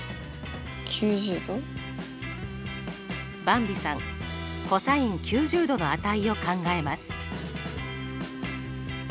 ばんびさんｃｏｓ９０°の値を考えます。